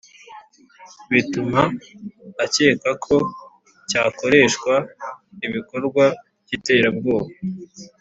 bituma akeka ko cyakoreshwa ibikorwa by iterabwoba